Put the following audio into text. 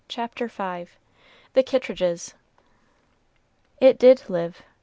CHAPTER V THE KITTRIDGES It did live.